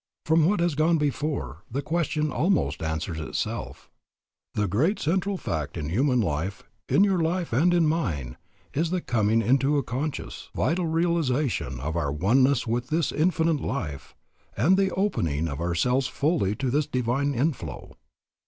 From what has gone before, the question almost answers itself. _The great central fact in human life, in your life and in mine, is the coming into a conscious, vital realization of our oneness with this Infinite Life, and the opening of ourselves fully to this divine inflow_.